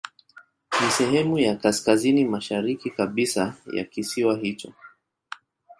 Ni sehemu ya kaskazini mashariki kabisa ya kisiwa hicho.